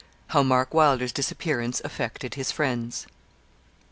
HOW MARK WYLDER'S DISAPPEARANCE AFFECTED HIS FRIENDS.